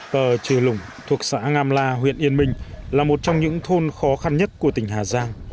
tờ trừ lũng thuộc xã ngam la huyện yên minh là một trong những thôn khó khăn nhất của tỉnh hà giang